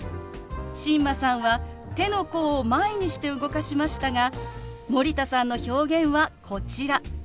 新間さんは手の甲を前にして動かしましたが森田さんの表現はこちら。